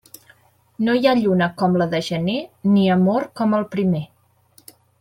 No hi ha lluna com la de gener, ni amor com el primer.